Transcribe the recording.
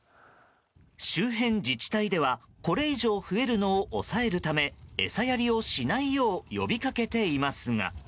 周辺自治体ではこれ以上増えるのを抑えるため餌やりをしないよう呼び掛けていますが。